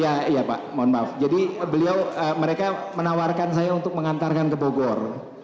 ya iya pak mohon maaf jadi beliau mereka menawarkan saya untuk mengantarkan ke bogor